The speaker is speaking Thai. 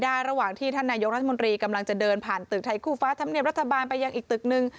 ระหว่างที่ท่านนายกรัฐมนตรีกำลังจะเดินผ่านตึกไทยคู่ฟ้าธรรมเนียบรัฐบาลไปยังอีกตึกนึง